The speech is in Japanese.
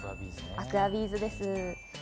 アクアビーズです。